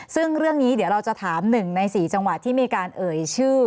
ซึ่งเรื่องนี้เดี๋ยวเราจะถาม๑ใน๔จังหวัดที่มีการเอ่ยชื่อ